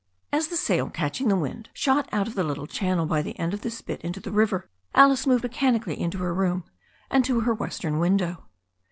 As the sail, catching the wind, shot out of the little chan nel by the end of the spit into the river, Alice moved me chanically into her room, and to her western window.